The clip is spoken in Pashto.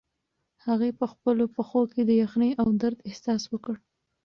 هغې په خپلو پښو کې د یخنۍ او درد احساس وکړ.